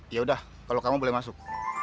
ya udah kalau kamu boleh masuk